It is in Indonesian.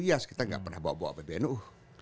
iya kita gak pernah bawa bawa pbnu